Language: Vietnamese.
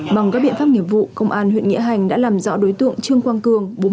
bằng các biện pháp nghiệp vụ công an huyện nghĩa hành đã làm rõ đối tượng trương quang cường